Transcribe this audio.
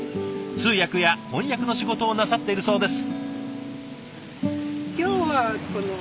通訳や翻訳の仕事をなさっているそうです。